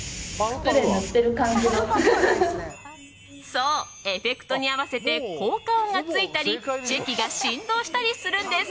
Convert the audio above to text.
そう、エフェクトに合わせて効果音がついたりチェキが振動したりするんです。